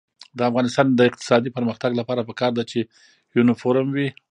د افغانستان د اقتصادي پرمختګ لپاره پکار ده چې یونیفورم وي.